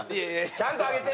ちゃんと上げて！